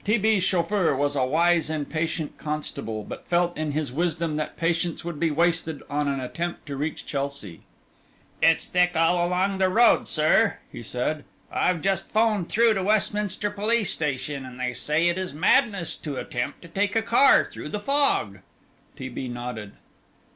T. B.'s chauffeur was a wise and patient constable, but felt in his wisdom that patience would be wasted on an attempt to reach Chelsea. "It's thick all along the road, sir," he said. "I've just 'phoned through to Westminster Police Station, and they say it is madness to attempt to take a car through the fog." T. B. nodded.